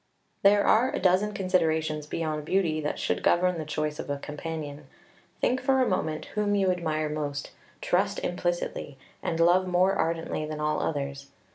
There are a dozen considerations beyond beauty that should govern the choice of a companion. Think for a moment whom you admire most, trust implicitly, and love more ardently than all others.